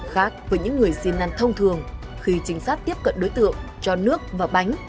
khác với những người xin ăn thông thường khi trinh sát tiếp cận đối tượng cho nước và bánh